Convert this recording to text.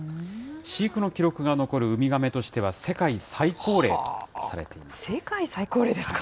飼育の記録が残るウミガメとして世界最高齢ですか。